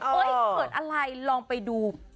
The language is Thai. เกิดอะไรลองไปดู